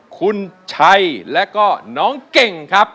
คุณชัยและก็น้องเก่งครับ